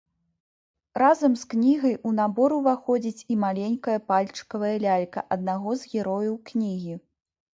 Разам з кнігай у набор уваходзіць і маленькая пальчыкавая лялька аднаго з герояў кнігі.